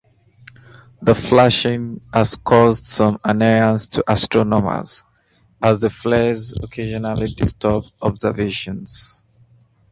This flashing has caused some annoyance to astronomers, as the flares occasionally disturb observations.